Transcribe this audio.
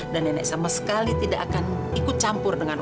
dan nenek sama sekali tidak akan ikut campur dengan kamu